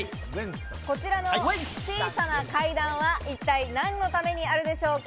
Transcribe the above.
こちらの小さな階段は一体何のためにあるのでしょうか？